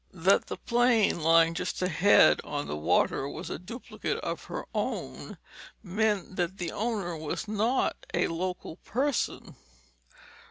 That the plane lying just ahead on the water was a duplicate of her own meant that the owner was not a local person.